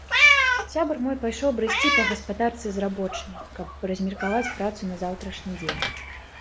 Сябар мой пайшоў брысці па гаспадарцы з рабочымі, каб размеркаваць працу на заўтрашні дзень.